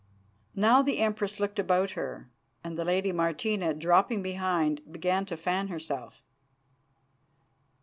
"Now the Empress looked about her, and the lady Martina, dropping behind, began to fan herself.